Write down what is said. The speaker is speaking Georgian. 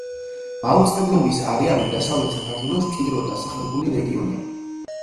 მაუწყებლობის არეალი დასავლეთ საქართველოს მჭიდროდ დასახლებული რეგიონია.